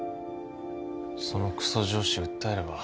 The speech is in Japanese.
そのクソ上司訴えれば？